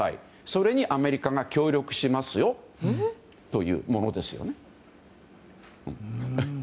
それにアメリカが協力しますよというものですよね。